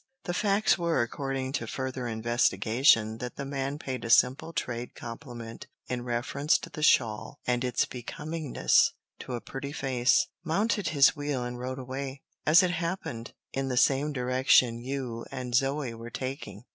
The facts were, according to further investigation, that the man paid a simple trade compliment in reference to the shawl and its becomingness to a pretty face, mounted his wheel and rode away, as it happened, in the same direction you and Zoe were taking.